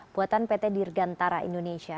buatan pt dirgantara indonesia